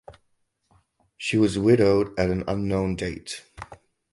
She was widowed at an unknown date.